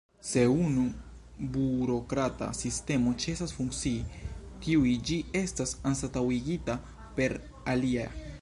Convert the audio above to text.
Se unu burokrata sistemo ĉesas funkcii, tuj ĝi estas anstataŭigita per alia.